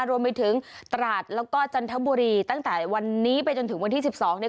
รวมไปถึงตราดแล้วก็จันทบุรีตั้งแต่วันนี้ไปจนถึงวันที่๑๒เนี่ย